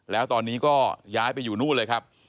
แล้วตอนนี้ก็ย้ายไปอยู่นู่นเลยครับ